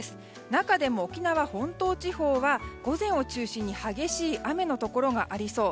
中でも、沖縄本島地方は午前を中心に激しい雨のところがありそう。